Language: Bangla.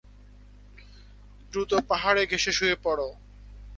দ্রুত, পাহাড়ে ঘেষে শুয়ে পড়!